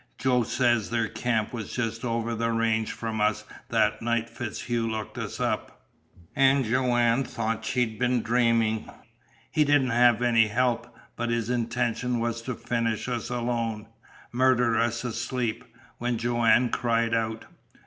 Joe says their camp was just over the range from us that night FitzHugh looked us up, an' Joanne thought she'd been dreamin'. He didn't have any help, but his intention was to finish us alone murder us asleep when Joanne cried out.